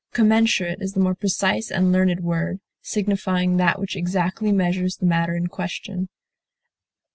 Commensurate is the more precise and learned word, signifying that which exactly measures the matter in question.